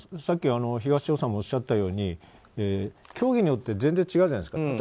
さっき東尾さんもおっしゃったように競技によって全然違うじゃないですか。